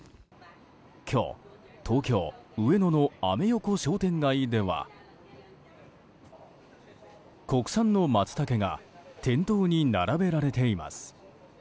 今日、東京・上野のアメ横商店街では国産のマツタケが店頭に並べられています。